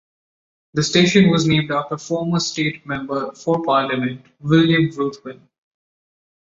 The station was named after former State Member for Parliament, William Ruthven.